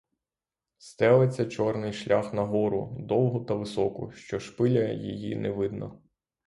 Стелеться чорний шлях на гору — довгу та високу, що шпиля її не видно.